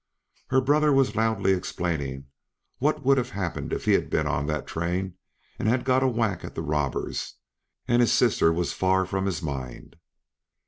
Her brother was loudly explaining what would have happened if he had been on that train and had got a whack at the robbers, and his sister was far from his mind.